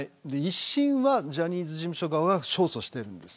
１審はジャニーズ事務所側が勝訴しています。